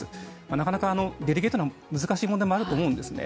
なかなかデリケートな難しい問題もあると思うんですね。